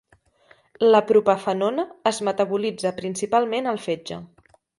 La propafenona es metabolitza principalment al fetge.